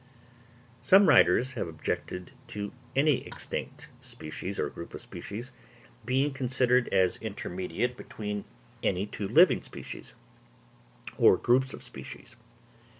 Some writers have objected to any extinct species, or group of species, being considered as intermediate between any two living species, or groups of species.